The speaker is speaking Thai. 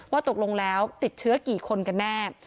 ตกลงแล้วติดเชื้อกี่คนกันแน่